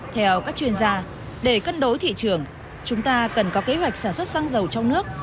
theo các chuyên gia để cân đối thị trường chúng ta cần có kế hoạch sản xuất xăng dầu trong nước